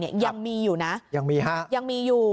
ยังมีอยู่นะยังมีอยู่